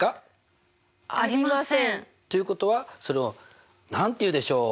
ありませんか？ということはそれを何て言うでしょう？